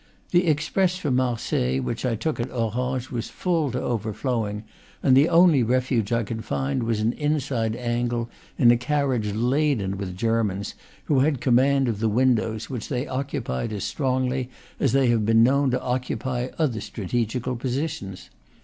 The express from Marseilles, which I took at Orange, was full to over flowing; and the only refuge I could find was an inside angle in a carriage laden with Germans, who had command of the windows, which they occupied as strongly as they have been known to occupy other strategical positions.